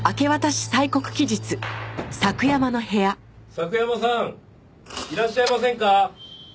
佐久山さんいらっしゃいませんか？